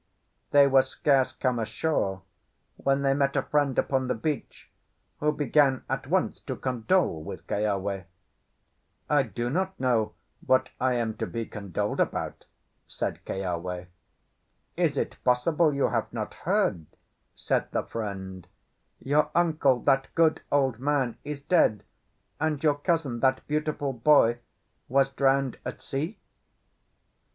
They were scarce come ashore when they met a friend upon the beach, who began at once to condole with Keawe. "I do not know what I am to be condoled about," said Keawe. "Is it possible you have not heard," said the friend, "your uncle—that good old man—is dead, and your cousin—that beautiful boy—was drowned at sea?"